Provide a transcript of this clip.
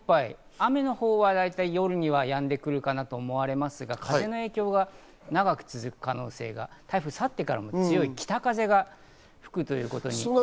雨のほうは大体、夜にはやんでくるかなと思いますが、風の影響が長く続く可能性が、台風が去ってからの強い北風の影響がと考えられます。